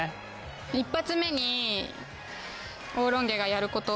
１発目にオーロンゲがやること。